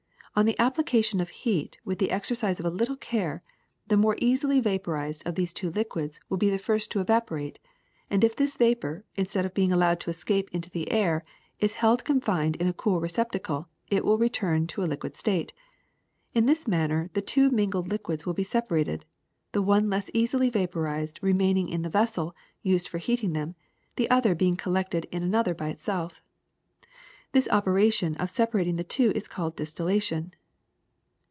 On the application of heat, with the ex ercise of a little care, the more easily vaporized of the two liquids will be the first to evaporate ; and if this vapor, instead of being allowed to escape into the air, is held confined in a cool receptacle, it will return to the liquid state. In this manner the two mingled liquids will be separated, the one less easily vaporized remaining in the vessel used for heating them, the other being collected in another by itself. This operation of separating the two is called dis tillation.